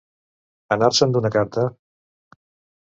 Anar-se'n d'una carta.